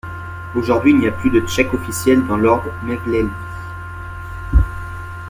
Aujourd'hui, il n'y a plus de cheikh officiel dans l'ordre mevlevi.